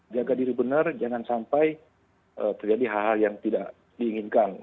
jaga diri benar jangan sampai terjadi hal hal yang tidak diinginkan